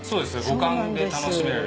五感で楽しめる。